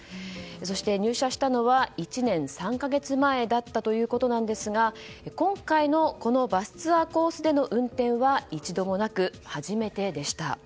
そして、入社したのは１年３か月前だったということですが今回のこのバスツアーコースでの運転は一度もなく初めてでした。